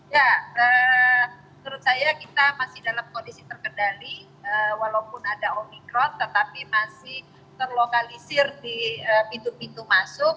ya menurut saya kita masih dalam kondisi terkendali walaupun ada omikron tetapi masih terlokalisir di pintu pintu masuk